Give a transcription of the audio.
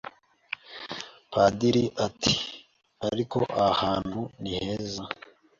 padir ati ariko aha hantu niheza